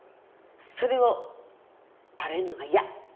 それをばれるのが嫌。